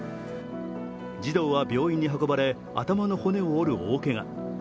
児童は病院に運ばれ、頭の骨を折る大けが。